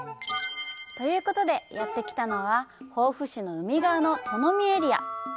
ということで、やってきたのは防府市の海側の富海エリア！